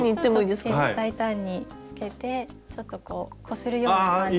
大胆につけてちょっとこうこするような感じで。